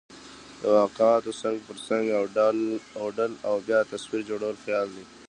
د واقعاتو څنګ پر څنګ اوډل او بیا تصویر جوړل خیال دئ.